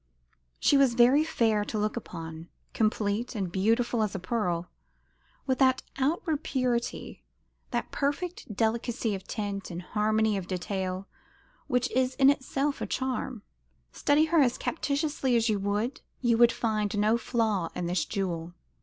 She was very fair to look upon complete and beautiful as a pearl with that outward purity, that perfect delicacy of tint and harmony of detail which is in itself a charm. Study her as captiously as you would, you could find no flaw in this jewel.